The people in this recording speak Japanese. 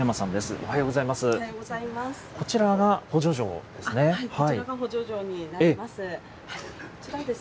おはようございます。